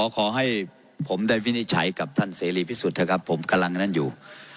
ขอให้ผมได้วินิจฉัยกับท่านเสรีพิสุทธิ์เถอะครับผมกำลังนั้นอยู่